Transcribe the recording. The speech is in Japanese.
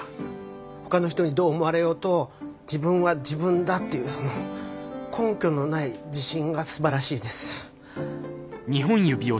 ほかの人にどう思われようと自分は自分だっていうその根拠のない自信がすばらしいです。